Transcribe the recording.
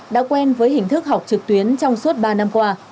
đã quen với hình thức học trực tuyến trong suốt ba năm qua